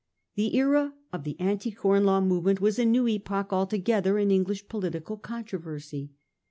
The era of the Anti Corn Law move ment was a new epoch altogether in English political controversy.